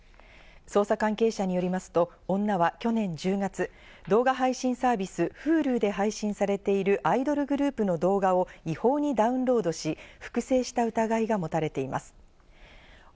捜査関係者によりますと、女は去年１０月、動画配信サービス・Ｈｕｌｕで配信されているアイドルグループの動画を違法にダウンロ関東のお天気です。